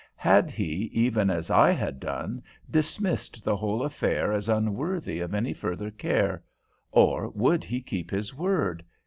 Had he, even as I had done, dismissed the whole affair as unworthy of any further care, or would he keep his word?